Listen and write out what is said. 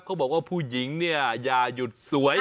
เขาบอกว่าผู้หญิงเนี่ยอย่าหยุดสวย